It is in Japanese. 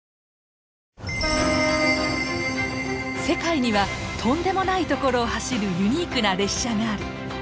世界にはとんでもない所を走るユニークな列車がある！